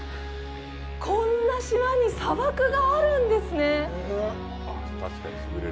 こんな島に砂漠があるんですね。